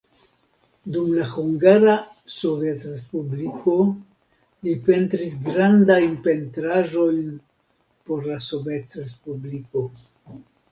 Dum la Hungara Sovetrespubliko li pentris grandajn pentraĵojn por la Sovetrespubliko.